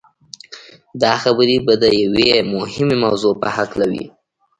دا خبرې به د يوې مهمې موضوع په هکله وي.